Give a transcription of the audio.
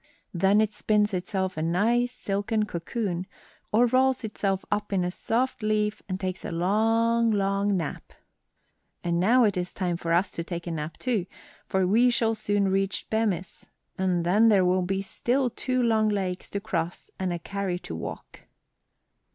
Then it spins itself a nice silken cocoon, or rolls itself up in a soft leaf and takes a long, long nap. And now it is time for us to take a nap, too, for we shall soon reach Bemis, and then there will be still two long lakes to cross and a carry to walk."